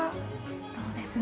そうですね。